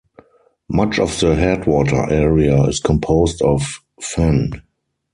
Much of the headwater area is composed of fen.